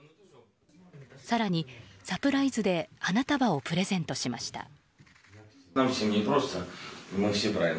更にサプライズで花束をプレゼントしました。